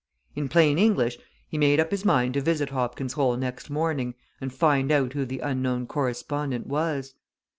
In plain English, he made up his mind to visit Hobkin's Hole next morning and find out who the unknown correspondent was.